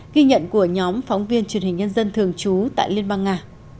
ghi nhận của nhóm phóng viên truyền hình nhân dân thường trú tại liên bang nga